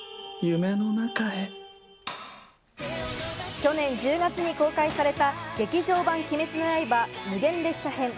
去年１０月に公開された『劇場版鬼滅の刃無限列車編』。